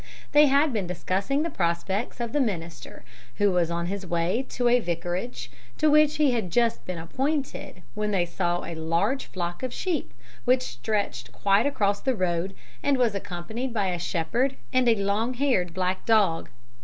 They had been discussing the prospects of the minister, who was on his way to a vicarage, to which he had just been appointed, when they saw a large flock of sheep, which stretched quite across the road, and was accompanied by a shepherd and a long haired black dog.